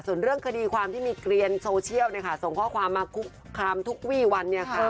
ส่วนเรื่องคดีความที่มีเกลียนโซเชียลส่งข้อความมาคุกคามทุกวี่วัน